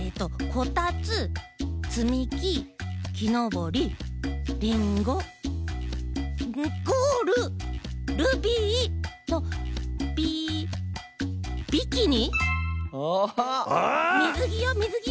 「こたつつみききのぼりリンゴゴールルビービビキニ」。